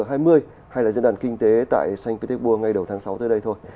hay là dân đàn kinh tế tại saint petersburg ngay đầu tháng sáu tới đây thôi